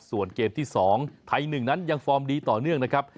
ส่วนเกมที่๒ไทย๑นั้นยังฟอร์มดีต่อเนื่องนะครับ